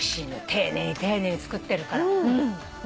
丁寧に丁寧に作ってるから。